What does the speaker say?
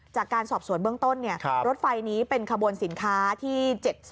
จากการสอบสวนเบื้องต้นรถไฟนี้เป็นขบวนสินค้าที่๗๒